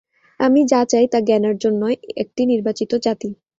আমি যা চাই তা জ্ঞানার্জন নয়, একটি নির্বাচিত জাতি।